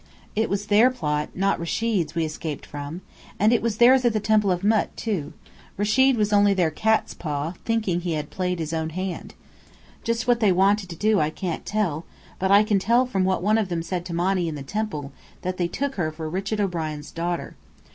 It was their plot, not Rechid's, we escaped from! And it was theirs at the Temple of Mût, too. Rechid was only their cat's paw, thinking he played his own hand. Just what they wanted to do I can't tell, but I can tell from what one of them said to Monny in the temple, that they took her for Richard O'Brien's daughter.